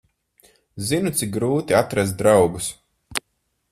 Zinu, cik grūti atrast draugus.